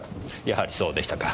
やはりそうでしたか。